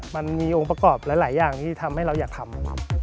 มันมีองค์ประกอบหลายอย่างที่ทำให้เราอยากทำ